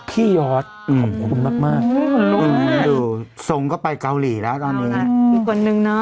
พี่ยอร์ดขอบคุณมากมากอื้อส่งก็ไปเกาหลีแล้วตอนนี้อีกคนหนึ่งเนอะ